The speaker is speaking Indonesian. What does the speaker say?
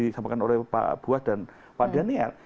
disampaikan oleh pak buah dan pak daniel